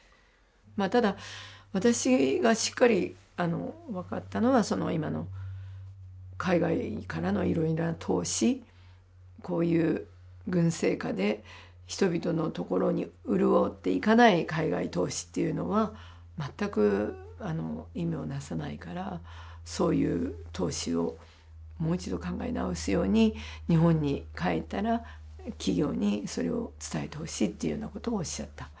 ただ私がしっかり分かったのは今の海外からのいろいろな投資こういう軍政下で人々のところに潤っていかない海外投資っていうのは全く意味をなさないからそういう投資をもう一度考え直すように日本に帰ったら企業にそれを伝えてほしいというようなことをおっしゃった。